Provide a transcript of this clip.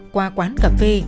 qua quán cà phê